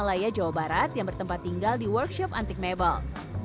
wilayah jawa barat yang bertempat tinggal di workshop antik mebel